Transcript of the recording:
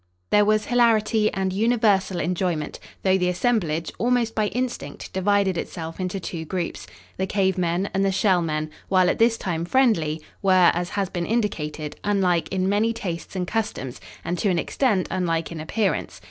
There was hilarity and universal enjoyment, though the assemblage, almost by instinct, divided itself into two groups. The cave men and the Shell men, while at this time friendly, were, as has been indicated, unlike in many tastes and customs and to an extent unlike in appearance.